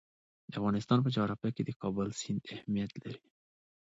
د افغانستان په جغرافیه کې د کابل سیند اهمیت لري.